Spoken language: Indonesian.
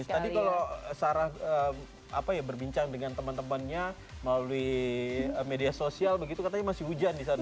tadi kalau sarah berbincang dengan teman temannya melalui media sosial begitu katanya masih hujan di sana